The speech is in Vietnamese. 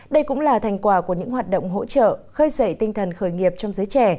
đây cũng là thành quả của những hoạt động hỗ trợ khơi dậy tinh thần khởi nghiệp trong giới trẻ